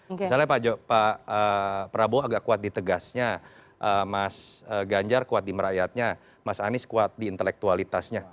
misalnya pak prabowo agak kuat di tegasnya mas ganjar kuat di merakyatnya mas anies kuat di intelektualitasnya